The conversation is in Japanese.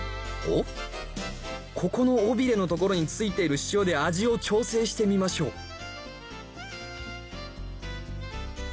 オッここの尾ビレの所についている塩で味を調整してみましょう